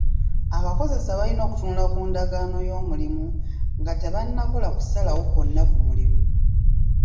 Abakozesa balina okutunula ku ndagaano y'omulimu nga tebannakola kusalawo kwonna ku mulimu.